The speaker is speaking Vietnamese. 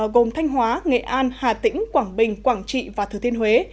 gồm thanh hóa nghệ an hà tĩnh quảng bình quảng trị và thừa thiên huế